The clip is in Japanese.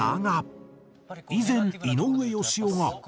以前井上芳雄が。